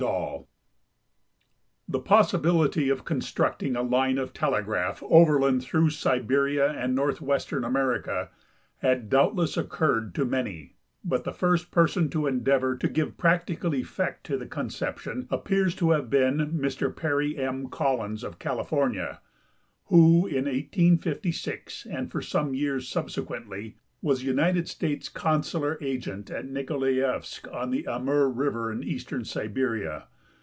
Ball Tlie possibility of constructing a line of telegraph overland through Siberia and northwestern America had doubtless oc curred to many, hut the first person to endeavor to give practical effect to the conception appears to have been Mr Perry M. Collins, of California, who in ISoh and for some years suhsequenth" was United States consular agent at Xikolaievsk, on the Amur river, eastern Siberia.